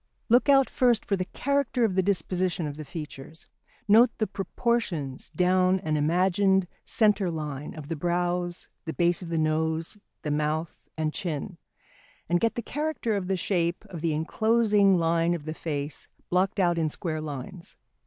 Look out first for the character of the disposition of the features, note the proportions down an imagined centre line, of the brows, the base of the nose, the mouth and chin, and get the character of the shape of the enclosing line of the face blocked out in square lines.